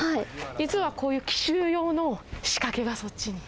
実は、こういう奇襲用の仕掛けが、そっちに。